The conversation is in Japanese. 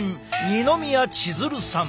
二宮千鶴さん。